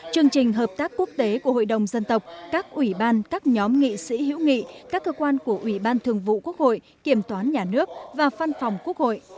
chương trình hợp tác quốc tế của hội đồng dân tộc các ủy ban các nhóm nghị sĩ hữu nghị các cơ quan của ủy ban thường vụ quốc hội kiểm toán nhà nước và văn phòng quốc hội